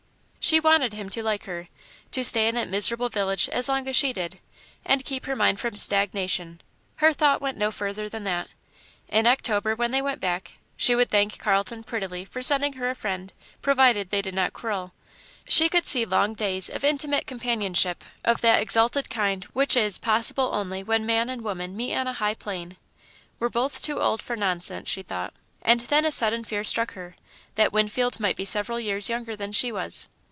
She wanted him to like her, to stay in that miserable village as long as she did, and keep her mind from stagnation her thought went no further than that. In October, when they went back, she would thank Carlton, prettily, for sending her a friend provided they did not quarrel. She could see long days of intimate companionship, of that exalted kind which is, possible only when man and woman meet on a high plane. "We're both too old for nonsense," she thought; and then a sudden fear struck her, that Winfield might be several years younger than she was.